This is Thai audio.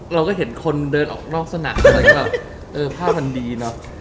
เราก็เห็นคนเดินออกนอกสนามพระพันธ์ดีเนอะ